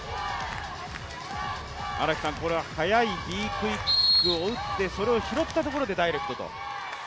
これは速いＢクイックを打って、それを拾ったところでダイレクトと。